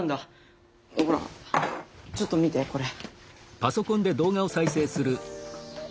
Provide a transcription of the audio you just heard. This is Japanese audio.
ほらちょっと見てこれ。